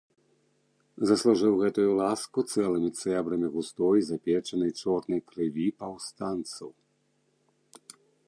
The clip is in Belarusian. Заслужыў гэтую ласку цэлымі цэбрамі густой, запечанай, чорнай крыві паўстанцаў.